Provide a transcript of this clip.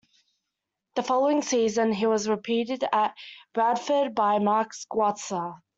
The following season, he was replaced at Bradford by Mark Schwarzer.